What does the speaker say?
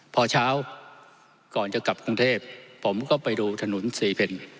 พอเช้าก่อนจะกลับกรุงเทพผมก็ไปดูถนนสี่เพล